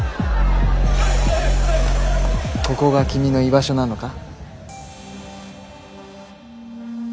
ここが君の居場所なのか？